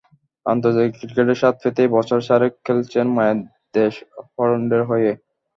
আন্তর্জাতিক ক্রিকেটের স্বাদ পেতেই বছর চারেক খেলছেন মায়ের দেশ হল্যান্ডের হয়ে।